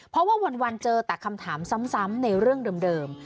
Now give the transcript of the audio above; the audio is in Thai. เพราะว่าวันเจอแต่คำถามซ้ำในเรื่องเดิม